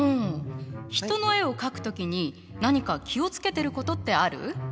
人の絵を描く時に何か気を付けてることってある？